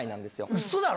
うそだろ！